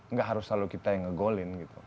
nggak harus selalu kita yang nge goalin gitu